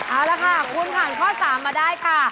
เอาละค่ะคุณผ่านข้อ๓มาได้ค่ะ